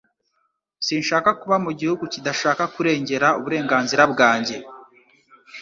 Sinshaka kuba mu gihugu kidashaka kurengera uburenganzira bwanjye